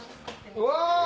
うわ！